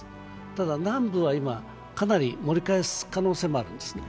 ただ南部は今、かなり盛り返す可能性もあるんですね。